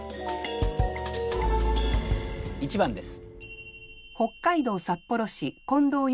１番です。